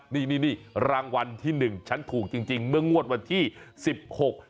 นี่นี่นี่รางวัลที่หนึ่งฉันถูกจริงจริงเมื่องวดวันที่สิบหก